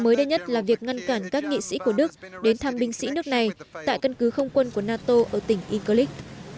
mới đây nhất là việc ngăn cản các nghị sĩ của đức đến thăm binh sĩ nước này tại căn cứ không quân của nato ở tỉnh iklis